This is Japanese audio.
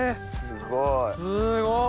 すごい。